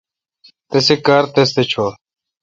تسی کار تس تھ چور۔